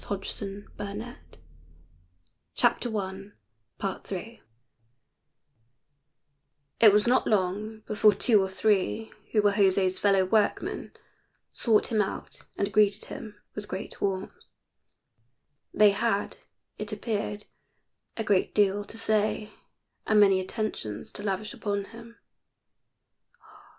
[Illustration: Took her to the public gardens 035] It was not long before two or three who were José's fellow workmen sought him out and greeted him with great warmth. They had, it appeared, a great deal to say and many attentions to lavish upon him.